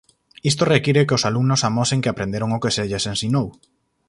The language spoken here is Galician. Isto require que os alumnos amosen que aprenderon o que se lles ensinou.